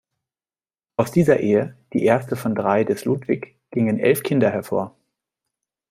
Aus dieser Ehe, die erste von drei des Ludwig, gingen elf Kinder hervor.